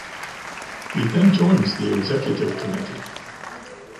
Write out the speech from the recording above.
He then joins the executive committee.